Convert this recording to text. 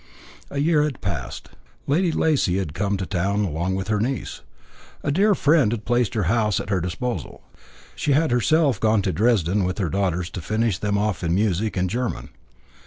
A year had passed. Lady Lacy had come to town along with her niece. A dear friend had placed her house at her disposal. She had herself gone to Dresden with her daughters to finish them off in music and German.